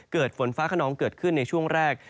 ฝนฟ้าขนองเกิดขึ้นในช่วงแรก